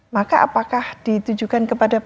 maka apakah ditujukan kepada